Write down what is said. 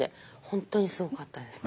本当にすごかったです。